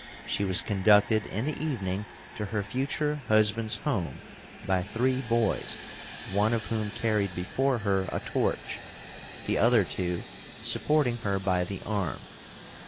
She was conducted in the evening to her future husband's home by three boys, one of whom carried before her a torch, the other two supporting her by the arm.